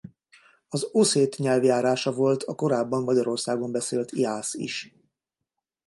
Az oszét nyelvjárása volt a korábban Magyarországon beszélt jász is.